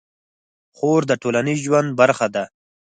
خور د ټولنیز ژوند برخه ده.